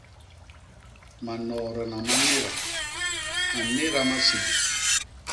Manoodana ma néda; a nnéda masiñ.